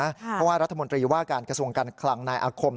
เพราะว่ารัฐมนตรีว่าการกระทรวงการคลังนายอาคม